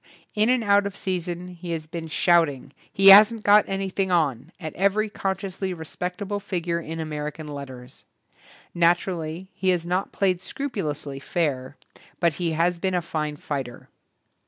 In and out of season he has been shout ing, "He hasn't got anything on", at every consciously respectable figure in American letters. Naturally, he has not played scrupulously fair, but he has been a fine fighter.